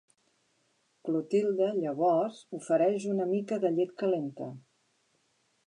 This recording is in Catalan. Clotilde llavors ofereix una mica de llet calenta.